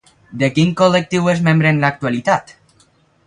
De quin col·lectiu és membre en l'actualitat?